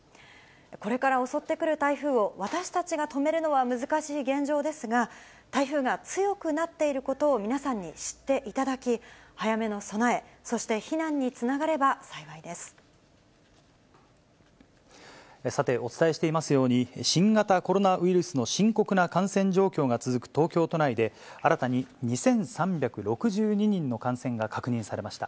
これから襲ってくる台風を私たちが止めるのは難しい現状ですが、台風が強くなっていることを皆さんに知っていただき、早めの備え、さて、お伝えしていますように、新型コロナウイルスの深刻な感染状況が続く東京都内で、新たに２３６２人の感染が確認されました。